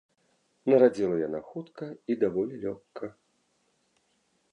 Нарадзіла яна хутка і даволі лёгка.